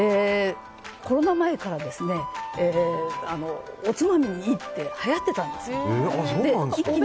コロナ前からおつまみにいいってはやっていたんですよ。